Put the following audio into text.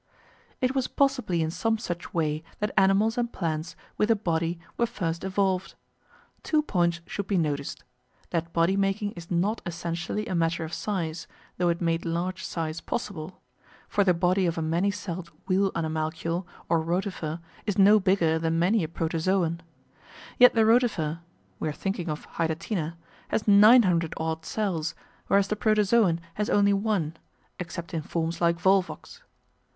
It was possibly in some such way that animals and plants with a body were first evolved. Two points should be noticed, that body making is not essentially a matter of size, though it made large size possible. For the body of a many celled Wheel Animalcule or Rotifer is no bigger than many a Protozoon. Yet the Rotifer we are thinking of Hydatina has nine hundred odd cells, whereas the Protozoon has only one, except in forms like Volvox.